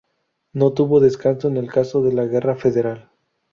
No tuvo descanso en el caso de la guerra Federal.